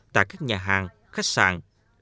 tại các nhà hàng khách sạn